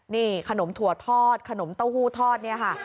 นี่ขนมถั่วทอดขนมเต้าหู้ทอดเนี่ยค่ะ